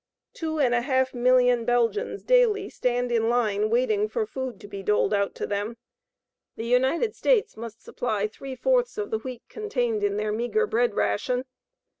Two and a half million Belgians daily stand in line waiting for food to be doled out to them. The United States must supply three fourths of the wheat contained in their meagre bread ration.